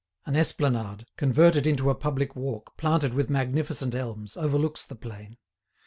An esplanade, converted into a public walk planted with magnificent elms, overlooks the plain.